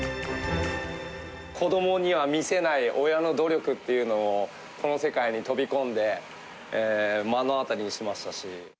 子どもには見せない親の努力っていうのを、この世界に飛び込んで目の当たりにしましたし。